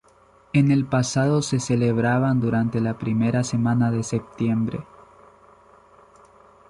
En el pasado se celebraban durante la primera semana de septiembre.